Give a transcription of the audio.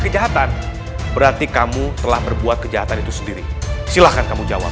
kejahatan berarti kamu telah berbuat kejahatan itu sendiri silahkan kamu jawab